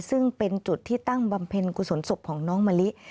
ซึ่งเป็นจุดที่ตั้งบำเพ็ญกุศลศพของน้องมะลิ